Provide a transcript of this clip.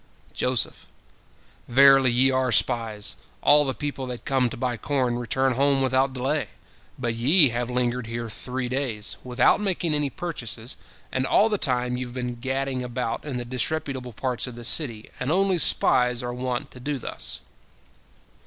Joseph: "Verily, ye are spies! All the people that come to buy corn return home without delay, but ye have lingered here three days, without making any purchases, and all the time you have been gadding about in the disreputable parts of the city, and only spies are wont to do thus."